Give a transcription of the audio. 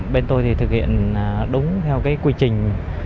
bên tôi thì thực hiện đúng theo cái quy trình